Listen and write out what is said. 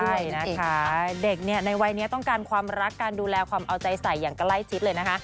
ใช่นะคะเด็กเนี่ยในวัยนี้ต้องการความรักการดูแลความเอาใจใส่อย่างใกล้ชิดเลยนะคะ